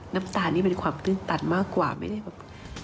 น้ำตาลนี่เป็นความตื้นตันมากกว่าไม่ได้แบบ